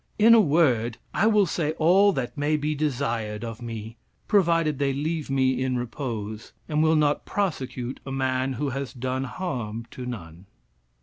In a word, I will say all that may be desired of me, provided they leave me in repose, and will not prosecute a man who has done harm to none."